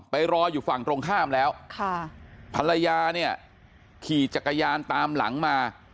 รออยู่ฝั่งตรงข้ามแล้วค่ะภรรยาเนี่ยขี่จักรยานตามหลังมา